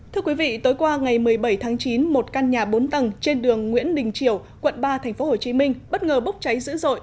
thưa quý vị tối qua ngày một mươi bảy tháng chín một căn nhà bốn tầng trên đường nguyễn đình triều quận ba tp hcm bất ngờ bốc cháy dữ dội